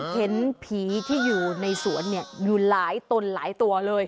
เห็นผีที่อยู่ในสวนอยู่หลายตนหลายตัวเลย